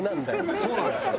そうなんですよ。